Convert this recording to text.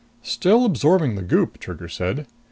"Still absorbing the goop," Trigger said.